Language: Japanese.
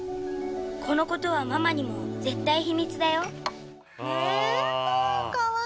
この事はママにも絶対秘密だよ」ねえ可愛い！